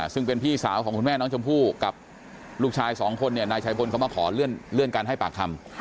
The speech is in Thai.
ซึ่งเป็นพี่สาวของคุณแม่น้องชมพู่กับลูกชายสองคนเนี่ยนายชายพลเขามาขอเลื่อนการให้ปากคำ